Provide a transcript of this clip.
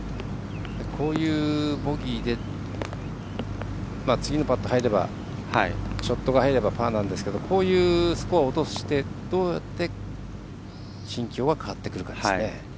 こういうボギーで次のパット入ればショットが入ればパーなんですけどこういうスコアを落としてどうやって心境が変わってくるかですね。